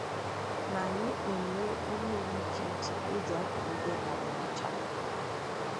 ma nye onyinye ihe dị iche iche e ji akwalite adịmọcha.